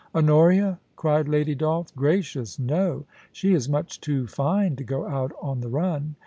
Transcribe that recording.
' Honoria !' cried Lady Dolph ;' gracious, no ! She is much too fine lo go out on the run.